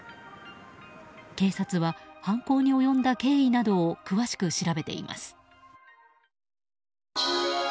警察は犯行に及んだ経緯などを詳しく調べています。